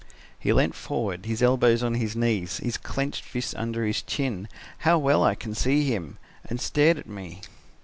"He leant forward, his elbows on his knees, his clenched fist under his chin how well I can see him! and stared at me.